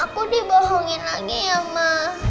aku dibohongin lagi ya mak